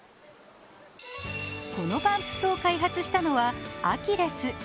このパンプスを開発したのはアキレス。